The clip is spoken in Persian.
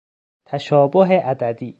تشابه عددی